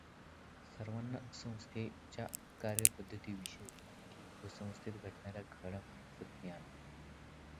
सर्वांना संस्थेच्या कार्यपध्दतीविषयी माहिती व संस्थेत घडणाच्या घडामोडींचं ज्ञान.